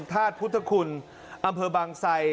ธาตุพุทธคุณอำเภอบางไซ